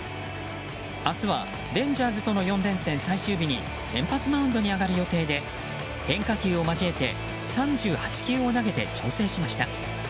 明日はレンジャーズとの４連戦最終日に先発マウンドに上がる予定で変化球を交えて３８球を投げて調整しました。